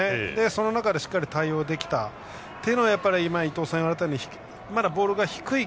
その中でしっかりと対応できたというのは今、伊東さんが言われたようにまだボールが低い。